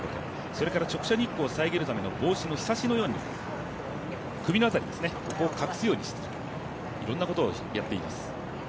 そして直射日光をさけるために帽子のひさしのように首の辺りを隠すようにして、いろんなことをやっています。